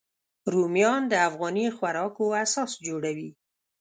رومیان د افغاني خوراکو اساس جوړوي